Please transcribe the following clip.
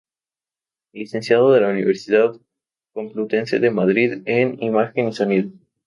Licenciado en la Universidad Complutense de Madrid en Imagen y Sonido.